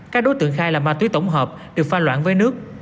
các đối tượng khai là ma túy tổng hợp được pha loãng với nước